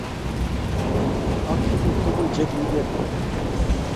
Ak tuguk tugul che kiger.